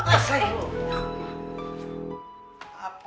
eh apaan sih pok